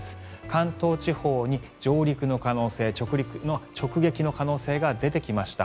関東地方に上陸の可能性直撃の可能性が出てきました。